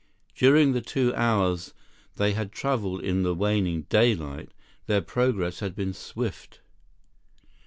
During the two hours they had traveled in the waning daylight, their progress had been swift.